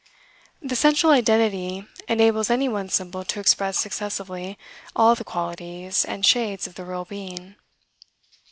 The central identity enables any one symbol to express successively all the qualities and shades of the real being.